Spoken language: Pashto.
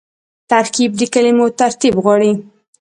ترکیب د کلمو ترتیب غواړي.